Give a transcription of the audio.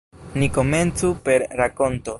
Ni komencu per rakonto.